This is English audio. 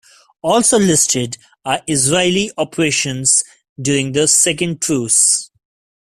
Also listed are Israeli operations during the second truce.